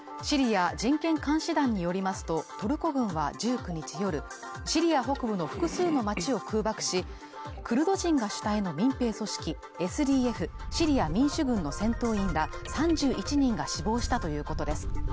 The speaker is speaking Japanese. シリア人権監視団によりますとトルコ軍は１９日夜シリア北部の複数の町を空爆しクルド人が主体の民兵組織ＳＤＦ＝シリア民主軍の戦闘員ら３１人が死亡したということです